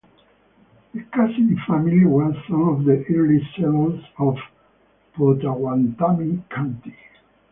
The Casady family were some of the early settlers of Pottawattamie County.